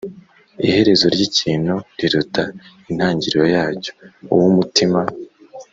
Iherezo ry ikintu riruta intangiro yacyo uw umutima